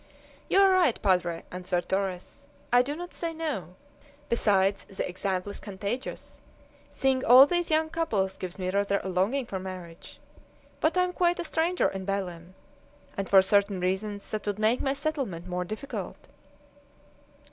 "You are right, padre," answered Torres; "I do not say no. Besides the example is contagious. Seeing all these young couples gives me rather a longing for marriage. But I am quite a stranger in Belem, and, for certain reasons, that would make my settlement more difficult."